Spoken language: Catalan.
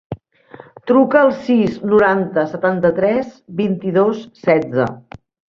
Truca al sis, noranta, setanta-tres, vint-i-dos, setze.